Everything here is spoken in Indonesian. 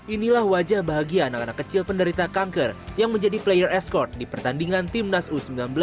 inilah wajah bahagia anak anak kecil penderita kanker yang menjadi player escord di pertandingan timnas u sembilan belas